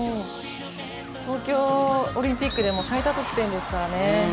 東京オリンピックでも最多得点ですからね。